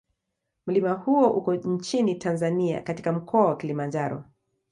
Mlima huo uko nchini Tanzania katika Mkoa wa Kilimanjaro.